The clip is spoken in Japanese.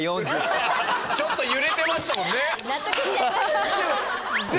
ちょっと揺れてましたもんね。